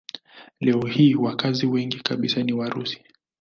Leo hii wakazi wengi kabisa ni Warusi.